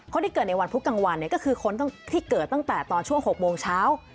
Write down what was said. คนที่เกิดในวันพุธกลางวันเนี่ยก็คือคนที่เกิดตั้งแต่ตอนช่วง๖โมงเช้า